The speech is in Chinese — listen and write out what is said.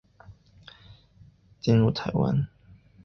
她参与推动禁止严重违反人权的中国大陆党政官员进入台湾。